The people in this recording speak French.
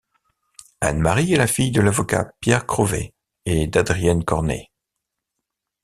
Anne-Marie est la fille de l'avocat Pierre Crowet et d'Adrienne Cornez.